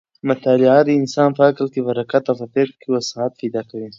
مطالعه د انسان په عقل کې برکت او په فکر کې وسعت پیدا کوي.